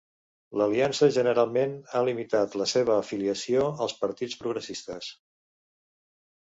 L'aliança generalment ha limitat la seva filiació als partits progressistes.